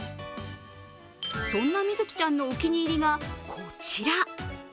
そんな瑞希ちゃんのお気に入りがこちら。